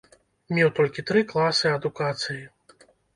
Меў толькі тры класы адукацыі.